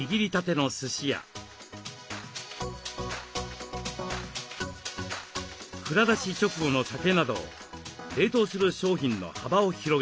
蔵出し直後の酒など冷凍する商品の幅を広げています。